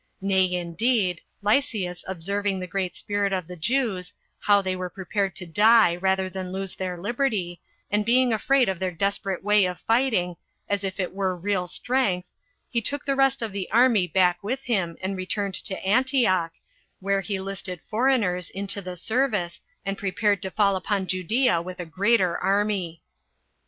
Nay, indeed, Lysias observing the great spirit of the Jews, how they were prepared to die rather than lose their liberty, and being afraid of their desperate way of fighting, as if it were real strength, he took the rest of the army back with him, and returned to Antioch, where he listed foreigners into the service, and prepared to fall upon Judea with a greater army.